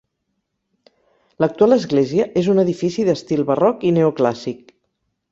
L'actual Església és un edifici d'estil barroc i neoclàssic.